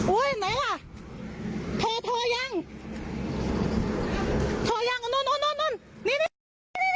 อุ้ยไหนล่ะโทยังโทยังโน้นโน้นโน้นโน้นนี่นี่นี่